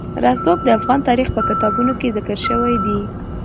رسوب د افغان تاریخ په کتابونو کې ذکر شوی دي.